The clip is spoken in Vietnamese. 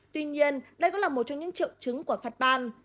tuy nhiên đây cũng là một trong những triệu chứng của phát ban